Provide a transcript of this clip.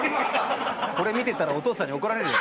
これ見てたらお父さんに怒られるよ。